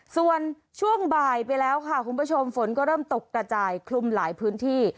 ส่วนช่วงบ่ายไปแล้วค่ะคุณผู้ชมฝนก็เริ่มตกกระจายคลุมหลายพื้นที่